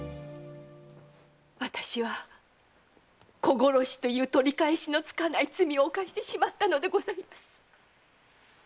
私は子殺しという取り返しのつかない罪を犯してしまったのでございます。